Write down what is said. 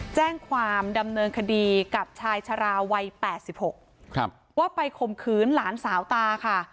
แจ้งความดำเนินคดีกับชายชะลาวัย๘๖ว่าไปข่มขืนหลานสาวตาค่ะ